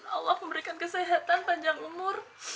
allah memberikan kesehatan panjang umur